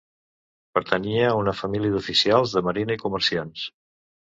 Pertanyia a una família d'Oficials de Marina i Comerciants.